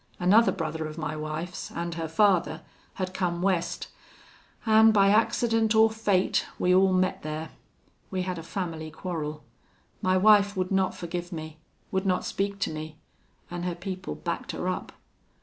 Another brother of my wife's, an' her father, had come West, an' by accident or fate we all met there. We had a family quarrel. My wife would not forgive me would not speak to me, an' her people backed her up.